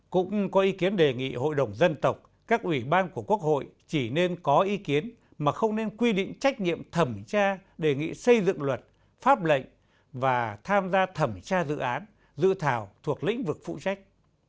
cũng có ý kiến đề nghị hội đồng dân tộc các ủy ban của quốc hội chỉ nên có ý kiến mà không nên quy định trách nhiệm thẩm tra đề nghị xây dựng luật pháp lệnh và tham gia thẩm tra dự án dự thảo thuộc lĩnh vực phụ trách